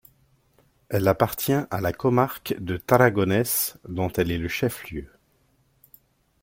Elle appartient à la comarque de Tarragonés, dont elle est le chef-lieu.